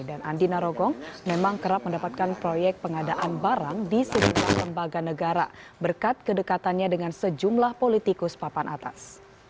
dan andi narogong memang kerap mendapatkan proyek pengadaan barang di sejumlah lembaga negara berkat kedekatannya dengan sejumlah politikus papan atas